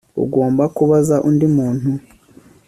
Ugomba kubaza undi muntu